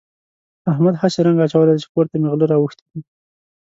احمد هسې رنګ اچولی دی چې کور ته مې غله راوښتي دي.